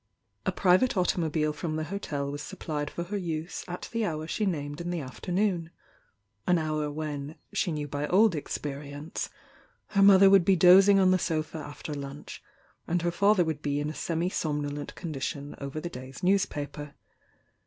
A private automobile from the hotel was supplied for her use at the hour she named in the afternoon,— an hour when she knew by old experience her mother would be dozing on the sofa after lunch, and her father would be in a semi somnolent condition oyer the day's newspaper.